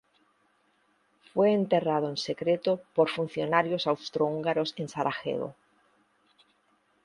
Fue enterrado en secreto por funcionarios austrohúngaros en Sarajevo.